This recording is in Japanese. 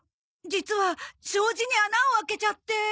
実は障子に穴を開けちゃって。